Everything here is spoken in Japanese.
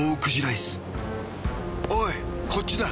おいこっちだ。